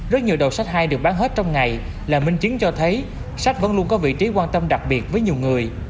rất nhiều đầu sách hay được bán hết trong ngày là minh chứng cho thấy sách vẫn luôn có vị trí quan tâm đặc biệt với nhiều người